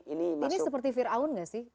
ini seperti fir'aun gak sih